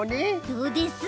どうです？